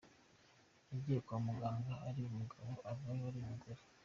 Yagiye kwa Muganga ari umugabo avayo ari umugore